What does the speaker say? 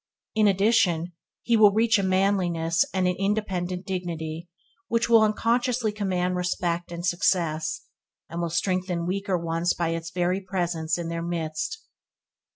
In addition he will reach a manliness and an independent dignity which will unconsciously command respect and success, and will strengthen weaker ones by its very presence in their midst.